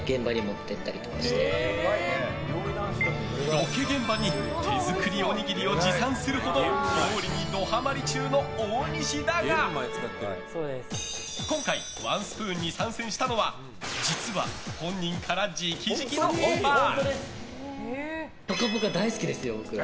ロケ現場に手作りおにぎりを持参するほど料理にドハマリ中の大西だが今回ワンスプーンに参戦したのは実は本人から直々のオファー。